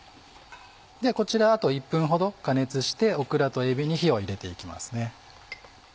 こちらあと１分ほど加熱してオクラとえびに火を入れて行きますね。